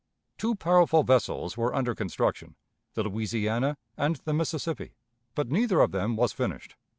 Two powerful vessels were under construction, the Louisiana and the Mississippi, but neither of them was finished.